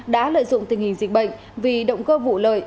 đã lợi dụng tình hình dịch bệnh vì động cơ vụ lợi